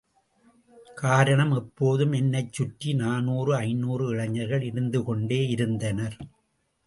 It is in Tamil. காரணம், எப்போதும் என்னைச் சுற்றி நானூறு, ஐநூறு இளைஞர்கள் இருந்துகொண்டேயிருந்தனர்.